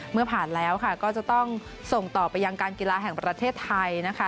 เมื่อผ่านแล้วก็จะต้องส่งต่อไปยังการกีฬาแห่งประเทศไทยนะคะ